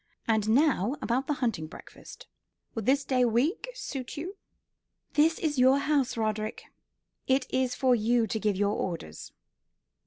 And now about the hunting breakfast. Would this day week suit you?" "This is your house, Roderick. It is for you to give your orders."